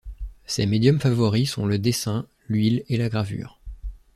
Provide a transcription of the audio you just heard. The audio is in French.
Ses médiums favoris sont le dessin, l'huile et la gravure.